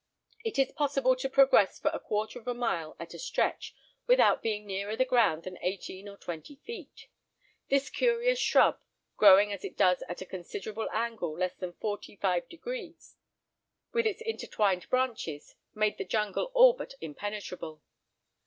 It is possible to progress for a quarter of a mile at a stretch, without being nearer the ground than eighteen or twenty feet. This curious shrub, growing as it does at a considerable angle less than forty five degrees, with its intertwined branches made the jungle all but impenetrable.